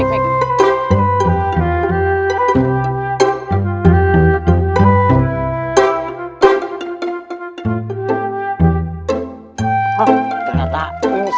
saudaraku numero satu